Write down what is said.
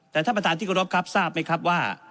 แต่ท่านประธานที่กรบครับทราบไหมครับว่า